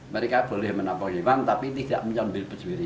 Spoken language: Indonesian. mereka boleh menapu hewan tapi tidak menyembeli sendiri